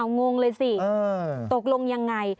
งงเลยสิตกลงยังไง